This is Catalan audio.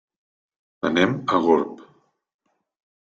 Anem a Gurb.